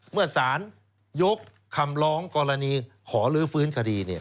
เมื่อสารยกคำร้องกรณีขอลื้อฟื้นคดี